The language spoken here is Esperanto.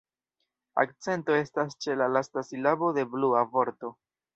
Akcento estas ĉe la lasta silabo de "Blua" vorto.